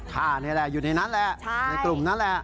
ฆ่านี่แหละอยู่ในนั้นแหละในกลุ่มนั้นแหละ